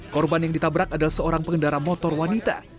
korban yang ditabrak adalah seorang pengendara motor wanita